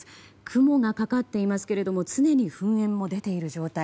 雲がかかっていますけれども常に噴煙も出ている状態。